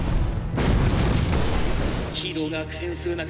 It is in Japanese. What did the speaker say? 「ヒーローが苦戦する中